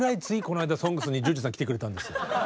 ついこないだ「ＳＯＮＧＳ」にＪＵＪＵさん来てくれたんですよ。